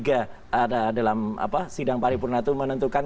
ada dalam sidang paripurna itu menentukan